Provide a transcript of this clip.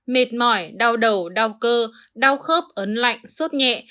mệt mỏi đau đầu đau cơ đau khớp ấn lạnh suốt nhẹ